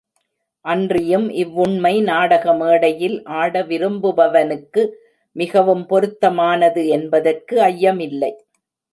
அன்றியும் இவ்வுண்மை நாடக மேடையில் ஆட விரும்புபவனுக்கு மிகவும் பொருத்தமானது என்பதற்கு ஐயமில்லை.